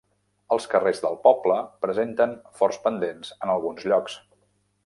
Els carrers del poble presenten forts pendents en alguns llocs.